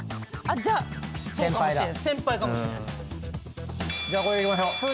じゃこれでいきましょう。